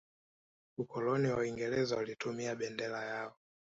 ukoloni wa uingereza ulitumia bendera yao